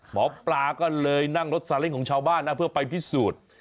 หมอปลาก็เลยนั่งรถสาเล้งของชาวบ้านนะเพื่อไปพิสูจน์